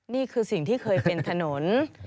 นี่คือสิ่งที่เคยเป็นถนน